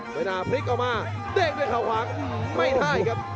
เวลาพลิกออกมาเด้งด้วยเขาขวางไม่ได้ครับ